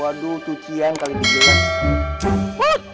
waduh tuh cieng kali ini giles